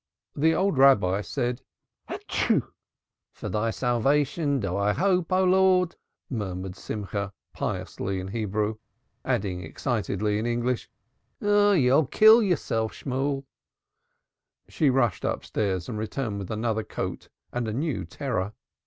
The old Rabbi answered, "Atschew!" "For thy salvation do I hope, O Lord," murmured Simcha piously in Hebrew, adding excitedly in English, "Ah, you'll kill yourself, Shemuel." She rushed upstairs and returned with another coat and a new terror.